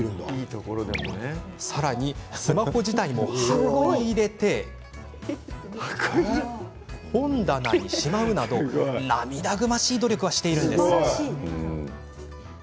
さらに、スマホ自体も箱に入れて本棚にしまうなど涙ぐましい努力はしているんです。